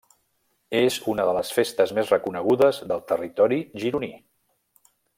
És una de les festes més reconegudes del territori gironí.